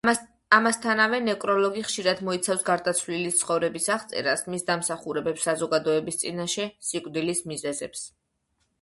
ამასთანავე ნეკროლოგი ხშირად მოიცავს გარდაცვლილის ცხოვრების აღწერას, მის დამსახურებებს საზოგადოების წინაშე, სიკვდილის მიზეზებს.